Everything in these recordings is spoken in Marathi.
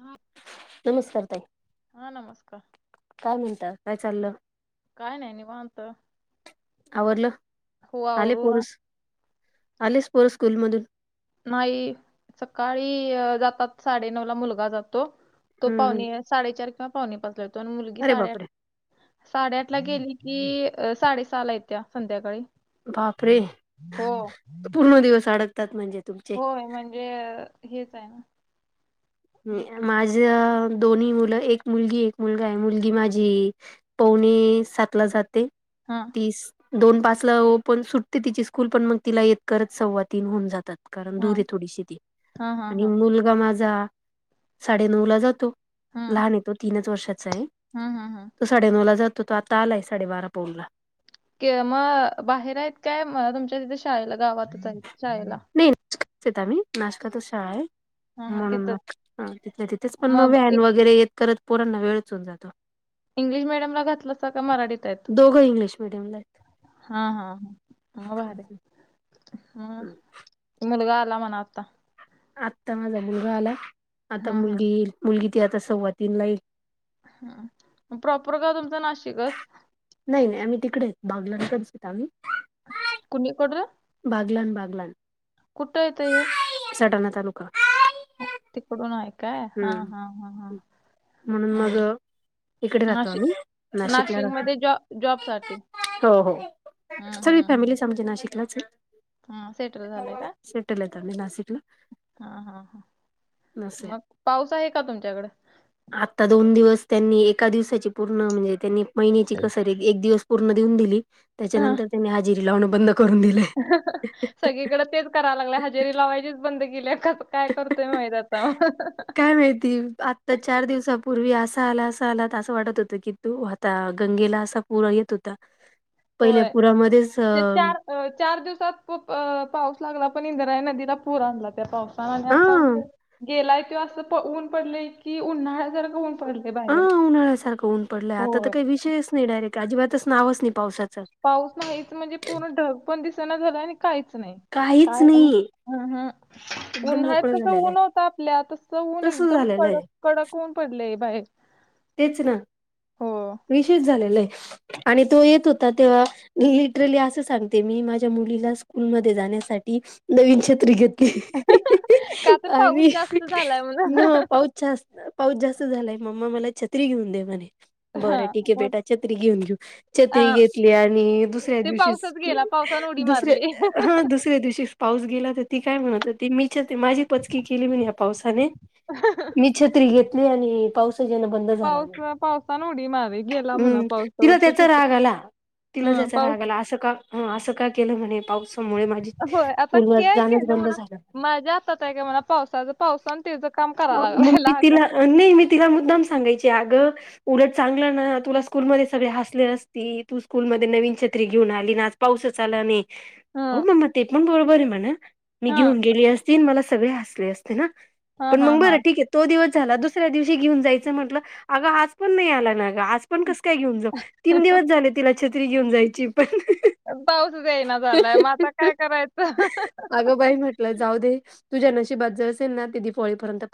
हा. नमस्कार ताई हा नमस्कार काय म्हणता? काय चाललं? काय नाही निवांत आवरलं हो आवरून आलेस पोरं स्कूल मधून? नाही सकाळी जातात साडेनऊला मुलगा जातो तो हम्म हम् पावणे साडेचार किंवा पावणे पाचला येतो आणि मुलगी अरे साडेआठ बापरे साडेआठ ला गेली की अ साडेसहाला येतीया संध्याकाळी. बापरे हो पूर्ण दिवस अडकतात म्हणजे तुमी होय म्हणजे हेच आहे ना. हे नाय की माझ दोन्ही मुलं एक मुलगी एक मुलगा आहे मुलगी माझी पावने सातला जाते. हा. तीस दोन पाचला ओपण सुटते तिची स्कूल पण मग तिला येत करत सव्वा तीन होऊन जातात. कारण हा दूर ये थोडीशी ती हा हा आणि हा मुलगा माझा साडेनऊला जातो लहान आहे तो तीनच वर्षाचा आहे. ह ह ह. तो साडेनऊ ला जातो तो आता आलाय साडेबारा पाऊनला. के म बाहेर आहेत काय तुमच्या तिथे शाळेला गावातच आहेत शाळेला? नाही [unintelligible] येत आम्ही नाशकातचं शाळा आहे. हा हा म्हणून तिथंच मग हा तिथल्या तिथेच पण मग व्हॅन वगैरे येत करत पोरांना वेळचं होवून जातो. इंग्लिश मिडीयमला घातलंस का मराठीत? आहेत दोघं इंग्लिश मिडियमला आहेत हा हा मग भारी असं. हा मुलगा आला म्हणा आत्ता. आत्ता माझा मुलगा आला, आता हा हा मुलगी येईल मुलगी ती आता सव्वातीन ला येईल. हा म प्रॉपर गाव तुमचं नाशिकच? नाही ना ही आम्ही तिकडेच बागलाणकडचे येत आम्ही. कोणी कडलं? बागलाण बागलाण. कुठं येतंय हे? सडाणा तालुका. तिकडून आहे काय हा हम्म हा हा हा म्हणून मग हम्म. इकडे राहतो नाशिक आम्ही नाशिकला नाशिकमध्ये जॉब जॉबसाठी राहतो हो हो. हम्म सगळी हम्म हम्म फॅमिलीच आमची नाशिकलाच आहे. हा सेटल झालंय का सेटल आहेत आम्ही नाशिकला. हा हा हा नसे मग पाऊस आहे का तुमच्याकडे? आता दोन दिवस त्यांनी एका दिवसाची पूर्ण म्हणजे त्यांनी महिन्याची कस रे एक दिवस पूर्ण देऊन दिली त्याच्यानंतर त्यांनी हाजेरी लावन बंद करून दिलयं. अ हं हं सगळीकडं तेच कराय लागलाय हजेरी लावायचीचं बंद केलीया कसं काय करतोय माहित आता म अ हं हं. काय माहिती आत्ता चार दिवसापूर्वी असा आला असा आलात असं वाटत होतं की तो ह ता गंगेला असा पुरा येत होता पहिल्या होय पुरामध्येच अ ते चार अ चार दिवसात खुप अ पाऊस लागला पण इंद्रायणी नदीला पूर आणला त्या पाऊस हा आणि आत्ता हं गेल गेलाय किंवा असं ऊन पडलेय की उन्हाळ्यासारख आं उन्हाळ्यासारखं ऊन पडलंय आता तर होय काही विषयच नाही डायरेक्ट अजिबातच नावच नाही पावसाचं. पाऊस नाहीच म्हणजे पूर्ण ढग पण दिसं ना झालं ना आणि काहीच नाही. काहीच काय म नाही हम्म हम्म. एकदम उन्हाळ्यात मोकळं कस झालेलं ऊन आहे होता आपल्या तसं ऊन तसं एकदम झालेलं कडक आहे कडक ऊन पडलेय बाहेर. तेच ना हो. विशेष झालेले आणि तो येत होता तेव्हा लिटरली असं सांगते मी माझ्या मुलीला स्कूलमध्ये जाण्यासाठी नवीन छत्री घेत का तर पाऊस आणि जास्त झालाय म्हणून. नो पाऊस जास्त पाऊस जास्त झालाय मम्मा मला छत्री घेऊन दे म्हणे. हा बरं ठीक हे मग बेटा छत्री घेऊन घेऊ छत्री अ घेतली आणि दुसऱ्या ते दिवशी पावसात स्कूल गेला पावसानं उडी दुसरे मारली. हा दुसऱ्या दिवशीस पाऊस गेला तर ती काय म्हणत होती मी छत्री माझी पचकी केली मीने या पावसाने. मी छत्री घेतली आणि ही पावसा जना बंध झाला पाऊस म पावसान उडी मारे गेला म्हणा उम पावसावर तिला तू त्याचा चित्र राग आला. तिला हं ज्याचा पाऊस राग आला असं का हा असं का केलं म्हणे पावसामुळे मा होय आता काय केलं म्हणात माझ्या तर त्यागा म्हणा पावसाचा पाऊसानं तीचं काम कराय लागला ह्यांला नई मी तिला मुद्दाम सांगायचे अगं उलट चांगलं ना तुला स्कूलमध्ये सगळे हसले असती तू स्कूलमध्ये नवीन छत्री घेऊन आली ना आज पाऊसच आला नी हो हं मम्मा ते पण बरोबर आहे म्हणा मी हं घेऊन गेली अस तीन मला सगळे हसले असते ना हं पण मग बरं हं ठीक आहे. तो दिवस झाला दुसऱ्या दिवशी घेऊन जायचं म्हटलं अगं आज पण नाही आला ना ग आज पण कसं काय घेऊन जाऊ तीन दिवस झाले तिला छत्री घेऊन जायची पण पाऊसच येयना झालाय मग आता काय करायचं? पलं जाऊ दे तुझ्या नशीबात जे असेल ना ते दीपावली पर्यंत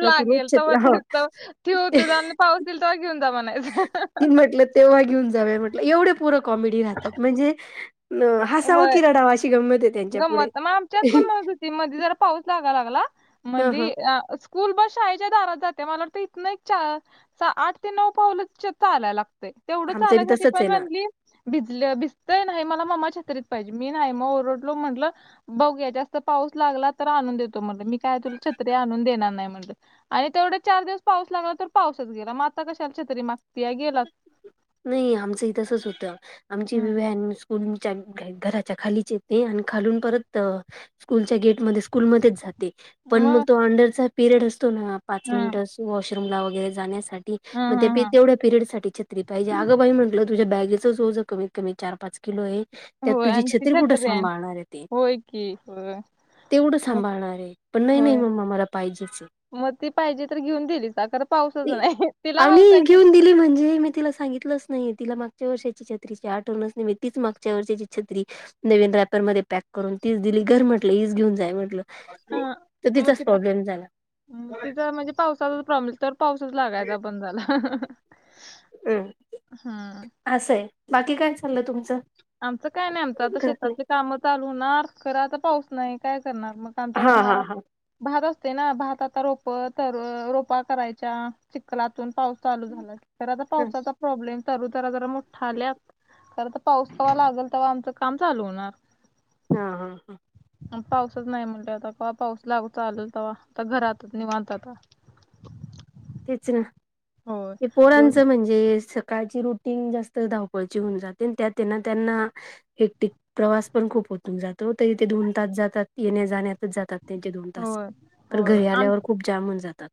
लागेल तेव्हा [unintelligible] ठेऊ तुझा आणि पाऊस येईल तेव्हा घेऊन जा ती म्हणायचं. म्हटलं तेव्हा घेऊन जाऊ या म्हटलं एवढे पोरं कॉमेडी राहतात म्हणजे म हसावं कि रडावा अशी गंमत आहे त्यांच्या पुढे मत म आमच्यात पण मांग होती मध्ये जरा पाऊस लागा लागला ह ह म्हणली स् कूल बस शाळेच्या दारात जाते, मला वाटते ते हितनं एक चा चा आठ ते नऊ पावलं चा चालायला लाग ते तेव्हढा आमचं बी चालायसाठी तसच आहे ना म्हणली भिजलं भिजतय नाही मला मम्मा छतरीत पाहिजे मी नाही म ओरड लो म्हंटलं बघूया जास्त पाऊस लागला तर आनंद येतो म्हटलं मी काय तुला छत्री आणून देणार नाही म्हटलं. आणि तेवढे चार दिवस पाऊस लागला तर पाऊसच गेला म आता कशाला छत्री माग नाही आमचंही तसच होतं आमची वी हम्म वॅन स् कुन च्या घ घराच्या खालीच येते आणि खालून परत अ कूलच्या गेटमध्ये स्कूलमध्येच जाते. पण म मग तो अंडरचा पिरियड असतो ना पाच मिनिट हम्म वॉशरूमला वगैरे जाण्यासा ठी म हम्म ते हम्म पि तेवढ्या पिरयडसाठी छत्री पाहिजे अगं बाई म्हटलं तुझ्या बॅगेच जोज कमीत कमी चार पाच किलो आहे हम्म त्यात होय तुझी आणि ती छत्री कुठे सांभाळणार आहे ते. होय की होय तेवढं सांभाळणार आहे पण नाही नाही मम्मा मला पाहिजेच. म ती पाहिजे तर घेऊन दिलीच खरं पाऊसच नाही तिला हाऊस आहे येऊन दिली म्हणजे मी तिला सांगितलंच नाही तिला मागच्या वर्षाची छत्रीची आठवणच नाही मी तीच मागच्या वर्षाची छत्री नवीन रायपरमध्ये पॅक करून तीच दिली घर म्हटलं हीच घेऊन जाय म्हटलं. अं तर म तिचाच तिला प्रॉब्लेम झाला म तिझा म्हणजे पावसाचा प्रॉमिस तर पाऊसच लागायचा बंद झाला. हम्म हा. असं आहे बाकी काय चाललं तुमचं? आमचं काय नाही आमचं आता घरातले शेतातले कामं चालू होणार खरं आता पाऊस नाही काय करणार मग. आमच्याकडे हा हा भा हा भात असते ना भात आता रोप तर रोपा करायच्या चिककलातून पाऊस चालू झाला तर पावसाचा प्रॉब्लेम तरु तर जरा मोठा आल्या कार पाऊस कवा लागेल तेव्हा आमचं काम चालू होणार. नां पाऊसच नाही म्हटले आता केव्हा पाऊस लागू चालेल तेव्हा का घरातच निवांत आता. तेच ना होय ते दिवस पोरांचा म्हणजे सकाळची रु टिन जास्त धाऊपळची होऊन जाते अन त्या तेन त्यांना हेक्टिक प्रवास पण खूप होतून जातो ते इथे दोन तास जातात येण्या जाण्यातच जातात त्यांचे दोन तास होय तर होय घरी आल्यावर खूप जामण जातात.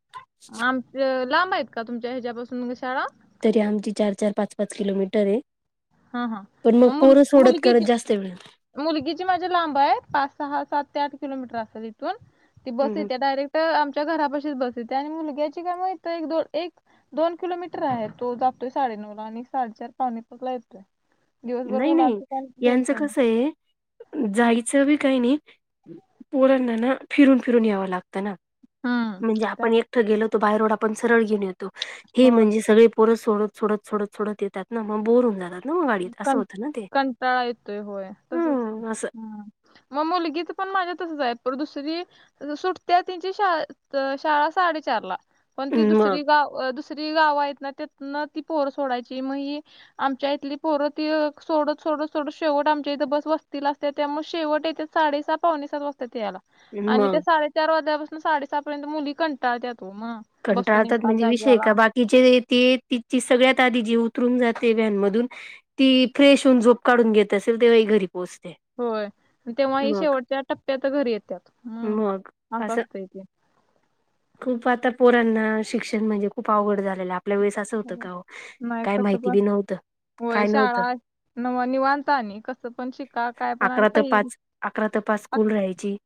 अ लांब आहेत का तुमच्या ह्याच्यापासून शाळा? तरी आमची चार-चार पाच-पाच किलोमीटर आहे. हां हां पण मग पोरं मुलगी सोडत करत मुलगीची जास्त वेळ मुलगीची माझी लांब आहे पाच सहा सात ते आठ किलोमीटर असेल इथून ती हं, बस हं. येते डायरेक् ट आमच्या घरापाशीच बस येते आणि मुलग्याची काय माहित एक दोन एक दोन किलोमीटर आहे तो जातोय साडेनऊ ला आणि साडेचार पाउणे पाचला येतोय. दिवसभर नाही नाही मुलांचं काय यांचं टेन्शन नाही कस आहे? हम्म जायचं बी काही नाही पोरांनाना फिरून-फिरून यावं लाग तं ना हम्म म्हणजे आपण त्यामुळे एकटा गेलो तर बाहेर वळ आपण सरळ घेऊन येतो हे होय म्हणजे सगळे पोरं सोडत सोडत सोडत सोडत येतात ना मग बोर होऊ जातात ना. गाडीत असं कं होतं ना ते. कंटाळा येतोय होय तसच हम्म असं हा. म मुलगीचा पण माझ्या तसचं आहे पर दुसरी सुटत्या तीनची शाळा तर साडेचार ला पण ती मग दुसरी गावं अ दुस सरी गाव आहेत ना त्यातनं ती पोरं सोडायची मग आमच्या इथली पोरं ती सोडत सोडत सोडत शेवट आमच्या इथं बस वसतीला असते त्यामुळे शेवट येते साडेसात पावणे सात वाजते त्याला आणि त्या मग साडेचार वाजल्यापासून साडेसहा पर्यंत मुली कंटाळत्या तो म. कंटाळतात म्हणजे विषय का बा तिचे ते तिची सगळ्यात आदी जी उतरून जाते व्हॅन मधून ती फ्रेश होऊन झोप काढून घेत असेल तेव्हा ही घरी पोहोचते. होय तेव्हा ही मग शेवटच्या टप्प्यात घरी येत्याात हम्म असं असतं इथे. खूप आता पोरांना शिक्षण म्हणजे खूप आवड झालेला आपल्या वेळेस अस तं का हो नाही काय कसं माहिती पण बी नव्हतं. होय काय नव्हतं. शाळा नव निवांता आणि कसं पण शिका काय पण आणि अकरा ते पहि पाच अकरा ते पाच स्कूल राहायची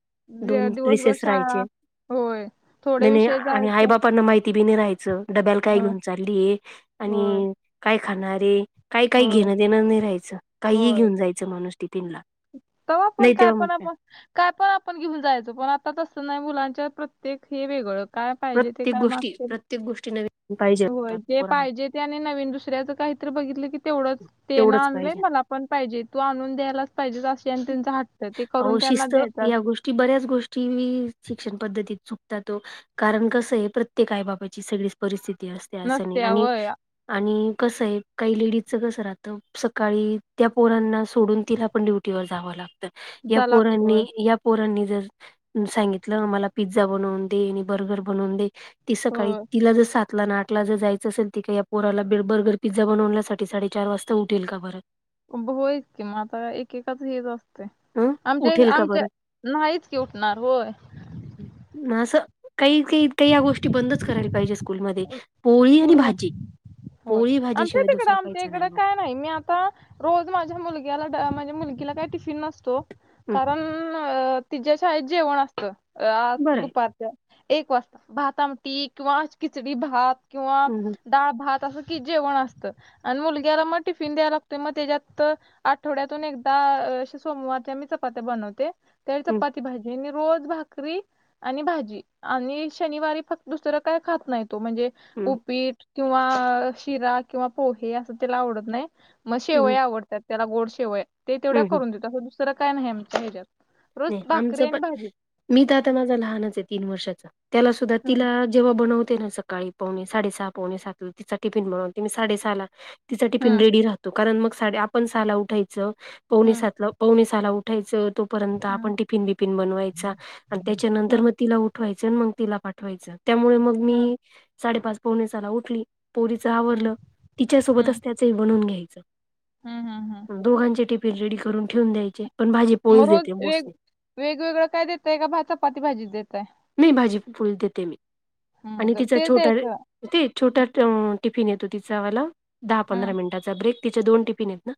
जे दोन दिवसभर रीसेस शाळा राहायचे. होय थोडे विषय जायचं पण ना माहिती बी नाही राहायचं डब्याला काय होय घेऊन चालली आहे होय आणि काय खाणार आहे? काही काही होय घेणं देणं नाही राहायचं काही ही होय घेऊन जायचं माणूस टिफिला. तवा पण काय पण आपण काय पण आपण घेऊन जायचं पण आता तसं नाही मुलांच्या प्रत्येक हे वेगळं काय पाहिजे ते प्रत्येक काय गोष्टी, मागतील प्रत्येक गोष्टी नवीन पाहिजे. होय होतात जे पोरांना पाहिजे ते आणि नवीन दुसऱ्याच काहीतरी बघितलं की तेवढंच तेना तेवढंच आणलंय पाहिजे मला पण पाहिजे तू आणून द्यायलाच पाहिजे असे आणि त्यांचं हट्ट ते करून त्यांना द्यायचं. ची बऱ्याच गोष्टी मी शिक्षण पद्धतीत चुकतातो कारण कसं आहे प्रत्येक आई बाबाची सगळीच परिस्थिती असते असंनी नसत्या आणि होय आणि कसं आहे काही लेडीजच कसं राहतं सकाळी त्या पोरांना सोडून तिला पण ड्युटी वर जाव लागत. या तुझा लागतोय पोरांनी या पोरांनी जर सांगितलं मला पिझ्झा बनवून दे आणि बर्गर बनवून दे. ती सकाळी होय तिला जसात तुला ना आठला जर जायचं असेल तर या पोराला बर्गर, पिझ्झा बनवण्यासाठी साडेचार वाजता उठेल का बरं? होयच कि मग आता एकेकाच हेच अस तय अं? आमच्या, उठेल का आमच्या बरं? नाहीच की उठणार होय. असं काही, काही, ‌ काही या गोष्टी बंदच करायला पाहिजे स्कूलमध्ये. पोळी आणि स्कूल भाजी, होय पोळी आमच्या भाजीशिवाय तिकडं दुसरं आमच्या काहीच नाही इकडं मग. काय नाही मी आता रोज माझ्या मुलग्याला, ‌ माझ्या मुलगीला काहीच टिफिन असतो हं कारण अ तिझ्या शाळेत जेवण असतं आ बरं आहे. दुपार एक वाजता भात आमटी किंवा खिचडी भात किंवा हं हं डाळ भात असं की जेवण असतं आणि मुलग्याला मग टिफिन द्यायला लागतोय. मग त्याच्यात आठवड्यातून एकदा अ असे सोमवारच्या मी चपात्या बनवते. त्यावेळी हं चपाती भाजी आणि रोज भा करी आणि भाजी आणि शनिवारी फक्त दुसरं काय खात नाही तो. म्हणजे हं उपीट किंवा शिरा किंवा पोहे असं तिला आवडत नाही, मग हं शेवया आवडत त्यात त्याला गोड शेवया. ते तेवढ्या हं हं करून देतो असं दुसरं काय नाही आमच्या ह्याच्यात. रोज नाही भाकरी आमचं पण आणि भाजी. मी तर आता माझा लहानच आहे तीन वर्षाचा. त्याला सुद्धा हम्म तिला जेव्हा बनवते ना सकाळी पावणे साडे सहा पावणे सातला तिचा टिफिन बनवते मी साडे सहाला तिचा टिफीन हम्म रेडी राहतो कारण मग साडी आपण सहाला उठायचं. पावणे हम्म सातला पावणे सहाला उठायचं, तोपर्यंत हम्म आपण टिफिन बिफिन बनवायचा आणि त्याच्यानंतर हम्म मग तिला उठ ठवायच आणि मग तिला पाठवायचं. त्यामुळे मग हम्म मी साडेपाच पावणे सहाला उठली पोरीच हम्म आवरलं, तिच्या हम्म सोबतच त्याचही बनवून घ्यायचं. हम्म हम्म दोघांचे टिफिन रेडी करून ठेवून द्यायचे, पण भाजी मग पोळीच दे रोज वेग वेगवेगळं काय देताय, का चपाती भाजीच देताय? नाही भाजी पोळी देते मी हम्म आणि तर तिचा तेच छोटा द्यायचं ते छोटा अ टिफिन येतो तिचावाल. दहा पंधरा हम्म मिनटात तिचा ब्रेक तिचे दोन टिफीन आहेत ना,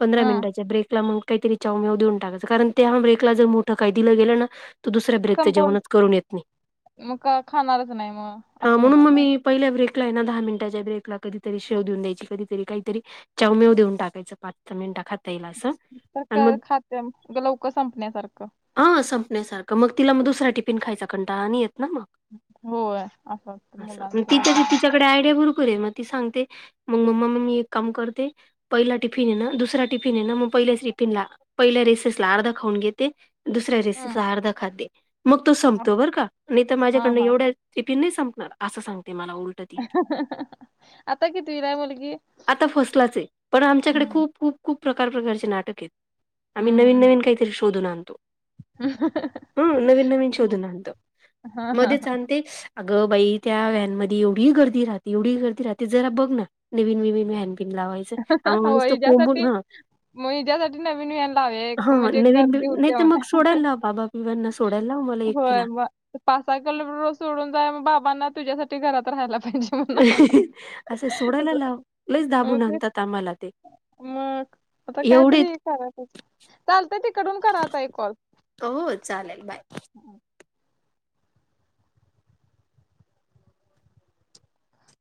पंधरा हम्म मिनिटाच्या ब्रेकला मग काहीतरी च्याऊ म्याऊ देऊन टाकायचं. कारण त्या ब्रेकला जर मोठं काही दिलं गेलं ना, तर दुसऱ्या ब्रेकचं संपवून जेवणच करून येत नाही मग काय खाणारच नाही, मग हा असं म्हणून होणार मग ना. मी पहिल्या ब्रेकला आहे ना दहा मिनटाच्या ब्रेकला कधीतरी शेव देऊन द्यायची. कधीतरी काहीतरी चाऊ म्याऊ देऊन टाकायचं पाच मिनिटं खाता येईल असं. आणि काहीतर मग खाद्य लवकर संपण्यासारखं हा संपण्यासारखं, मग तिला मग दुसरा टिफिन खायचा कंटाळा नाही येत ना मग. होय असं मुलांच असं ति तिच्याकडे आयडिया भरपूर आहे, मग ती सांगते मग मम्मा मग मी एक काम करते पहिला टिफिन आहे ना दुसरा टिफिन आहे ना मग पहिल्या टिफिनला पहिल्या रेसेसला अर्धा खाऊन घेते. दुसऱ्या हम्म रेसेसला अर्धा खाते. मग तो संपतो बरं का आणि तर हां, माझ्याकडनं हां. एवढ्या टिफिन नाही संपणार असं सांगते मला उल [unintelligible] कितवीला आहे मुलगी? आता फसलाच आहे, पण आमच्याकडे हं. खूप खूप खुप प्रकार प्रकारचे नाटक आहेत. आम्ही हं, नवीन हं, हं. नवीन काहीतरी शोधून आणतो. हं नवीन नवीन हं. शोधून आणतो. हां, हां. मध्येच आन ते अगं बाई त्या वैनमधी एवढी गर्दी राहते, एवढी गर्दी राहते जरा बघ ना. नवीन बिवीन व्हैन बीन लावाय आ म हो नूस्ता कोमबून हिच्यासाठी हा मग हिच्यासाठी नवीन व्हॅन लावूया हा एक म्हणजे नवीन गर्दी बिवीन होते नहीतर मग म्हणा. सोडेल ला बाबा बिबांना सोडायला लाव मला एकटीला वय पायसकलो रो सोडून जाय मग बाबांना तुझ्यासाठी घरात राहायला पाहिजे. म्हणा. असं सोडायला लाव लयच मग दाबून ते आणतात आम्हाला ते. मग आता एवढे कायतरी करायचच चालतंय तिकडून करा आता एक कॉल. हो, हो चालेल बाय.